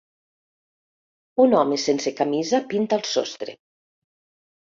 Un home sense camisa pinta el sostre.